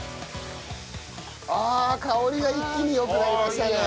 あ香りが一気に良くなりましたね。